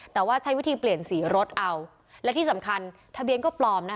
แต่ว่าใช้วิธีเปลี่ยนสีรถเอาและที่สำคัญทะเบียนก็ปลอมนะคะ